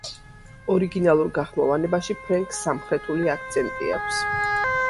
ორიგინალურ გახმოვანებაში, ფრენკს სამხრეთული აქცენტი აქვს.